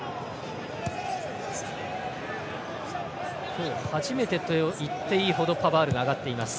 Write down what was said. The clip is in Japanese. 今日初めてといっていいほどパバールが上がっています。